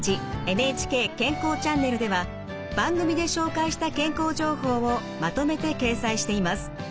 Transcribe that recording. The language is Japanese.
「ＮＨＫ健康チャンネル」では番組で紹介した健康情報をまとめて掲載しています。